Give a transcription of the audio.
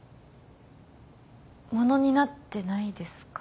ものになってないですか？